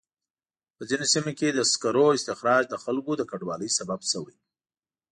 په ځینو سیمو کې د سکرو استخراج د خلکو د کډوالۍ سبب شوی.